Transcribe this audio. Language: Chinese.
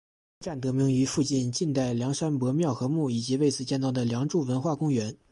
车站得名于附近晋代梁山伯庙和墓以及为此建造的梁祝文化公园。